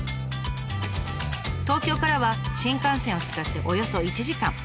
東京からは新幹線を使っておよそ１時間。